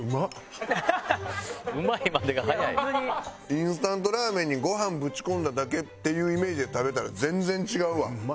インスタントラーメンにご飯ぶち込んだだけっていうイメージで食べたら全然違うわ。